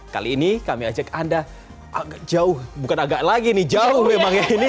kali ini kami ajak anda jauh bukan agak lagi nih jauh memang ya ini